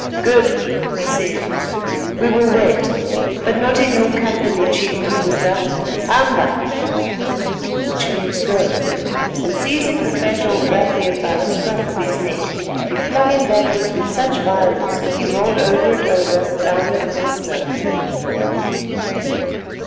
"Good," he said, "we will wait, but not in your company, Chief Maputa. Hamba! (go)——" and seizing the fat old ruffian by the scruff of his neck, he flung him backwards with such violence that he rolled over and over down the little slope.